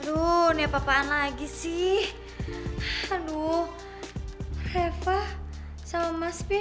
aduh ini apa apaan lagi sih aduh reva sama mas b lagi mau dateng ke sini